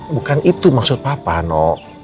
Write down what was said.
bukan itu maksud papa no